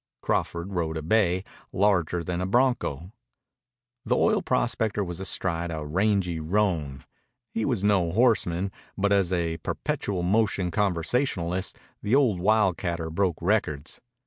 Crawford rode a bay, larger than a bronco. The oil prospector was astride a rangy roan. He was no horseman, but as a perpetual motion conversationalist the old wildcatter broke records.